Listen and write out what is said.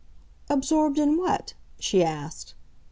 "Absorbed in what?" she asked.